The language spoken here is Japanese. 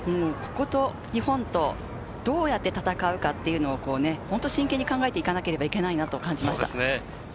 ここと日本とどやって戦うか、本当に真剣に考えていかなければいけないなと感じました。